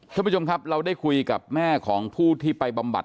ท่านผู้ชมครับเราได้คุยกับแม่ของผู้ที่ไปบำบัด